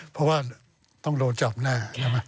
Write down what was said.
เพราะว่าต้องโดนจับหน้า